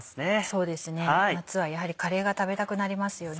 そうですね夏はやはりカレーが食べたくなりますよね。